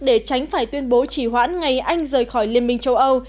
để tránh phải tuyên bố chỉ hoãn ngày anh rời khỏi liên minh châu âu